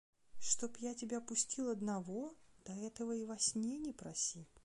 – Чтоб я тебя пустил одного! Да этого и во сне не проси.